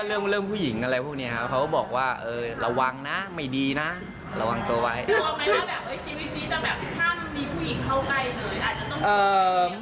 เรื่องเรื่องผู้หญิงอะไรพวกนี้ครับเขาก็บอกว่าเออระวังนะไม่ดีนะระวังตัวไว้กลัวไหมถ้าแบบ